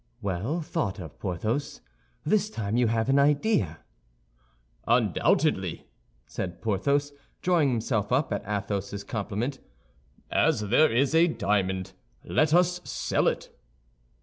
"Well thought of, Porthos; this time you have an idea." "Undoubtedly," said Porthos, drawing himself up at Athos's compliment; "as there is a diamond, let us sell it."